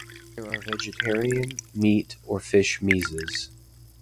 There are vegetarian, meat or fish mezes.